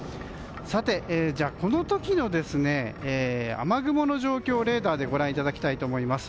さて、この時の雨雲の状況をレーダーでご覧いただきたいと思います。